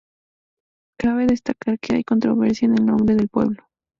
Cabe considerar que hay controversia en el nombre del pueblo.